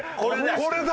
これだ！